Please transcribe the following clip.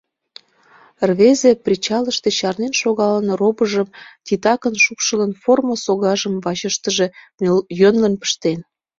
Рвезе причалыште, чарнен шогалын, робыжым титакын шупшылын, формо согажым вачыштыже йӧнлын пыштен.